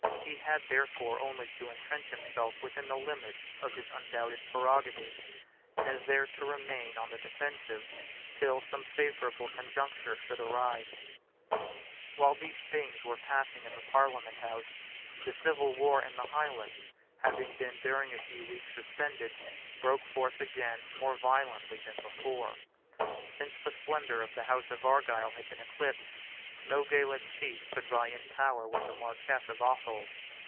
He had therefore only to entrench himself within the limits of his undoubted prerogative, and there to remain on the defensive, till some favourable conjuncture should arrive, While these things were passing in the Parliament House, the civil war in the Highlands, having been during a few weeks suspended, broke forth again more violently than before. Since the splendour of the House of Argyle had been eclipsed, no Gaelic chief could vie in power with the Marquess of Athol.